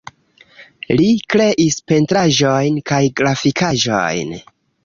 Li kreis pentraĵojn kaj grafikaĵojn.